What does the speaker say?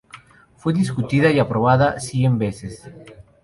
Fue discutida y aprobada cien veces.